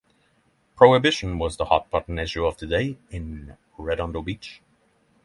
Prohibition was the hot-button issue of the day in Redondo Beach.